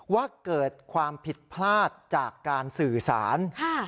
ว่าเกิดความผิดพลาดจากการสื่อสาร